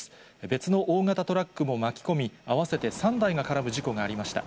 別の大型トラックも巻き込み、合わせて３台が絡む事故がありました。